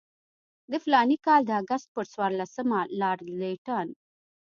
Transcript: د فلاني کال د اګست پر څوارلسمه لارډ لیټن.